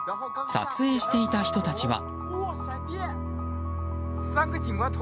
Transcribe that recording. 撮影していた人たちは。